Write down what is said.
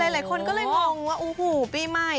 หลายคนก็เลยงงว่าโอ้โหปีใหม่